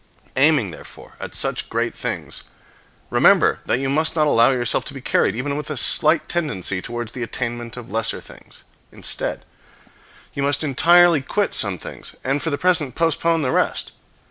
Aiming therefore at such great things, remember that you must not allow yourself to be carried, even with a slight tendency, towards the attainment of lesser things. Instead, you must entirely quit some things and for the present postpone the rest.